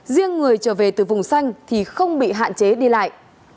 riêng người trở về từ vùng xanh thì không bị hạn chế đi lại